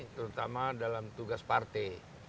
terutama dalam tugas partai